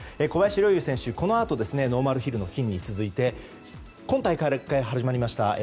小林陵侑選手はこのあとノーマルヒルの金に続いて今大会から始まりました